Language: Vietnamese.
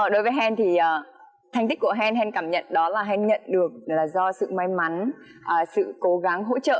đối với hèn thì thành tích của hèn hèn cảm nhận đó là hèn nhận được là do sự may mắn sự cố gắng hỗ trợ